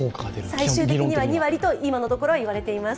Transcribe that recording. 最終的には２割と今のところは言われています。